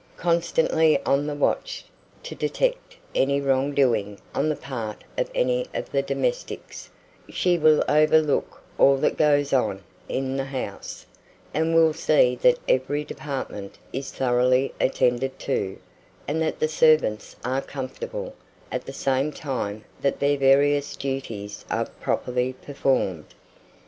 Constantly on the watch to detect any wrong doing on the part of any of the domestics, she will overlook all that goes on in the house, and will see that every department is thoroughly attended to, and that the servants are comfortable, at the same time that their various duties are properly performed.